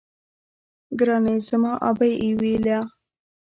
ګراني زما ابۍ ويله